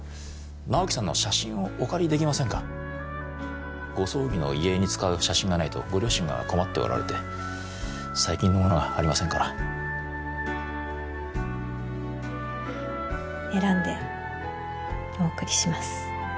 直木さんの写真をお借りできませんかご葬儀の遺影に使う写真がないとご両親が困っておられて最近のものはありませんから選んでお送りします